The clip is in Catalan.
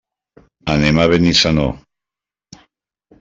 Anem a Benissanó.